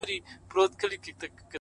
• دا روڼه ډېــوه مي پـه وجـود كي ده،